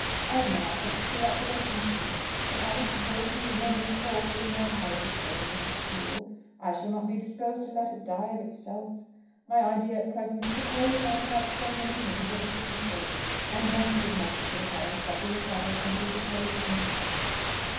I have no offers to fill up the vacancies. The parents of those who remain, of course, will know how it is going with the school. I shall not be disposed to let it die of itself. My idea at present is to carry it on without saying anything till the Christmas holidays, and then to give notice to the parents that the establishment will be closed at Midsummer."